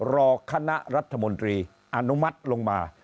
รอคณะรัฐมนตรีอนุมัติลงมา